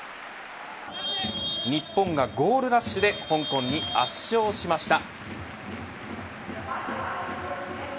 日本がゴールラッシュで香港に圧勝しました。